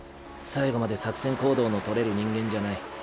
最後まで作戦行動のとれる人間じゃない。